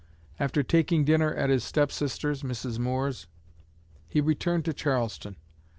After taking dinner at his stepsister's (Mrs. Moore's), he returned to Charleston.